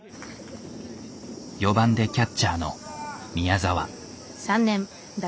４番でキャッチャーの宮澤。